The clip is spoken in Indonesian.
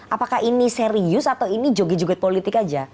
apakah ini serius atau ini joget joget politik aja